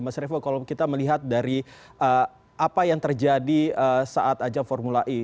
mas revo kalau kita melihat dari apa yang terjadi saat ajang formula e